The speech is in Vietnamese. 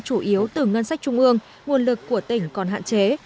chủ yếu từ ngân sách trung ương nguồn lực của tỉnh còn hạn chế